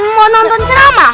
mau nonton ceramah